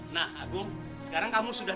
nah agung sekarang kamu sudah